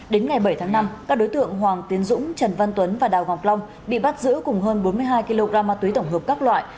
đến ngày bảy tháng năm các đối tượng hoàng tiến dũng trần văn tuấn và đào ngọc long bị bắt giữ cùng hơn bốn mươi hai kg ma túy tổng hợp các loại